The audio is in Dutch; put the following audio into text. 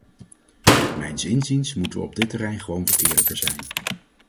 Mijns inziens moeten we op dit terrein gewoon wat eerlijker zijn.